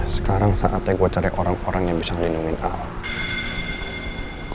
sekarang saatnya gue cari orang orang yang bisa melindungi aku